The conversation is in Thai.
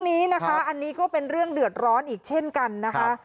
อันนี้นะคะอันนี้ก็เป็นเรื่องเดือดร้อนอีกเช่นกันนะคะ